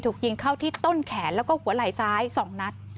ถูกยิงเข้าที่ต้นแขนแล้วก็หัวไหล่ซ้าย๒นัด